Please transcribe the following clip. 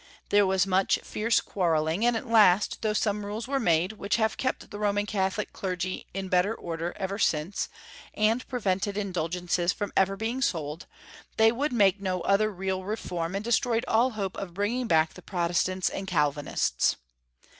There was much fierce quarrelling, and at last, though some rules were made, wliich have kept the Roman Catholic clergy in better order ever since, and prevented indul gences from ever being sold, they would make no other real reform, and destroyed all hope of bring ing back the Protestants and Calvinists.